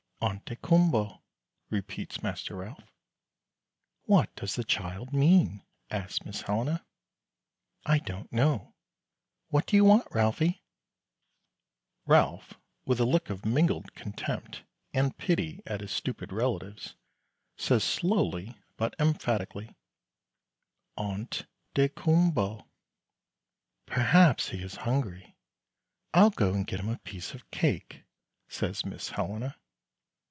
"Ont daykumboa," repeats Master Ralph. "What does the child mean?" asks Miss Helena. "I don't know. What do you want, Ralphie?" Ralph, with a look of mingled contempt and pity at his stupid relatives, says, slowly but emphatically, "Ont daykumboa." "Perhaps he is hungry. I'll go and get him a piece of cake," says Miss Helena.